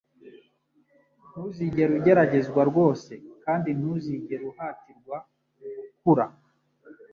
ntuzigera ugeragezwa rwose, kandi ntuzigera uhatirwa gukura